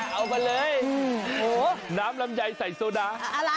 เอาไปเลยน้ำลำใหญ่ใส่ซูดา